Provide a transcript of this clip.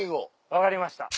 分かりました。